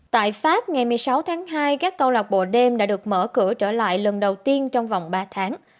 tại pháp ngày một mươi sáu tháng hai các câu lạc bộ đêm đã được mở cửa trở lại lần đầu tiên trong vòng ba tháng